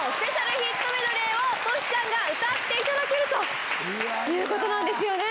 トシちゃんが歌っていただけるということなんですよね。